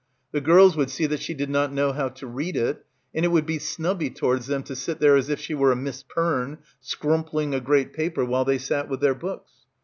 The girls would see that she did not know how to read it, and it would be snubby towards them to sit there as if she were a Miss Perne, scrumpling a great paper while they sat with their books.